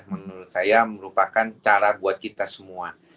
menurut saya merupakan cara buat kita semua